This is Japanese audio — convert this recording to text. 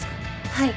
はい。